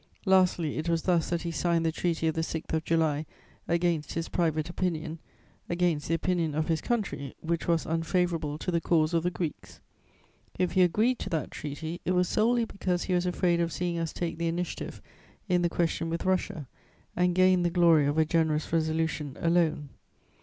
Lastly, it was thus that he signed the Treaty of the 6th of July against his private opinion, against the opinion of his country, which was unfavourable to the cause of the Greeks. If he agreed to that treaty, it was solely because he was afraid of seeing us take the initiative in the question with Russia and gain the glory of a generous resolution alone.